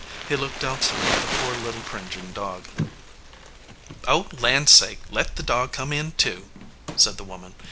He looked doubtfully at the poor little cringing dog. "Oh, land sake! let the dog come in, too," said the woman.